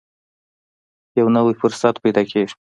یو نوی فرصت پیدا کېږي.